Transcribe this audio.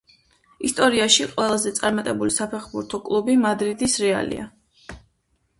ისტორიაში ყველაზე წარმატებული საფეხბურთო კლუბი მადრიდის რეალია,